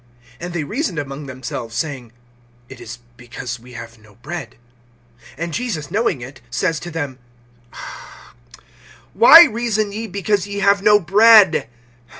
(16)And they reasoned among themselves, saying: It is because we have no bread. (17)And Jesus knowing it, says to them: Why reason ye, because ye have no bread?